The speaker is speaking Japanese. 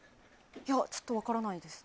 いや、ちょっと分からないでです。